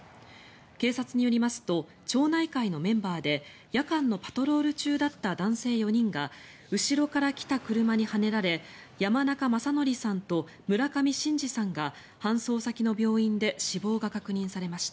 警察によりますと町内会のメンバーで夜間のパトロール中だった男性４人が後ろから来た車にはねられ山中正規さんと村上伸治さんが搬送先の病院で死亡が確認されました。